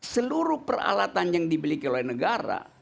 seluruh peralatan yang dibelikan oleh negara